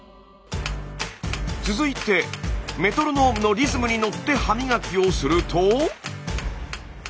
続いてメトロノームのリズムに乗って歯磨きをすると。